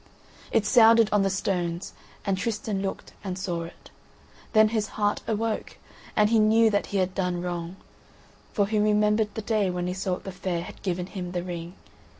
It sounded on the stones, and Tristan looked and saw it. Then his heart awoke and he knew that he had done wrong. For he remembered the day when Iseult the Fair had given him the ring.